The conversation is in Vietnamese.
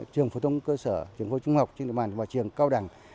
trường phổ thông cơ sở trường phố trung học trường cao đẳng